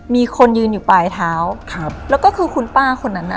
มีคนยืนอยู่ปลายเท้าครับแล้วก็คือคุณป้าคนนั้นน่ะ